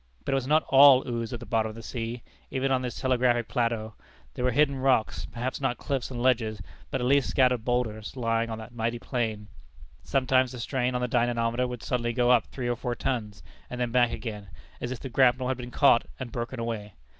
But it was not all ooze at the bottom of the sea, even on this telegraphic plateau. There were hidden rocks perhaps not cliffs and ledges, but at least scattered boulders, lying on that mighty plain. Sometimes the strain on the dynamometer would suddenly go up three or four tons, and then back again, as if the grapnel had been caught and broken away.